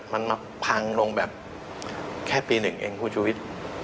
มันมาพังลงแบบแค่ปีหนึ่งเองคุณชุวิต